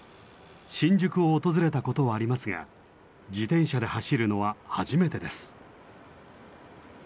新宿を訪れたことはありますが自転車で走るのは初めてです。